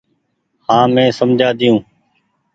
هآنٚ مينٚ سمجهآ ۮيو